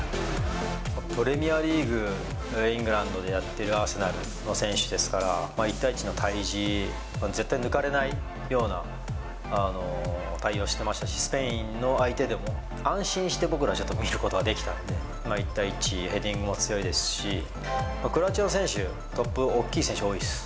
プレミアリーグ、イングランドでやってるアーセナルの選手ですから、１対１の対じは、絶対抜かれないような対応をしてましたし、スペインの相手でも、安心して僕ら、ちょっと見ることができたんで、１対１、ヘディングも強いですし、クロアチア選手、トップ、大きい選手多いです。